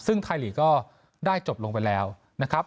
ซึ่งไทยลีกก็ได้จบลงไปแล้วนะครับ